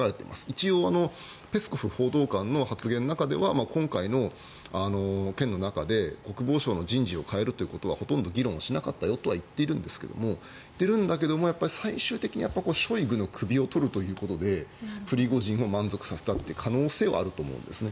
一応、ペスコフ報道官の発言の中では今回の件の中で国防省の人事を変えるということはほとんど議論しなかったよとは言ってるんだけど最終的にはショイグの首を取るということでプリゴジンを満足させたという可能性はあると思うんですね。